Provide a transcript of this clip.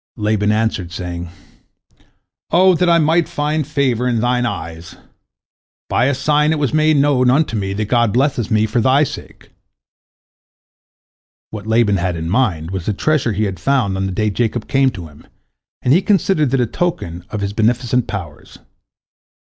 " Laban answered, saying, "O that I might find favor in thine eyes! By a sign it was made known unto me that God blesseth me for thy sake." What Laban had in mind was the treasure he had found on the day Jacob came to him, and he considered that a token of his beneficent powers.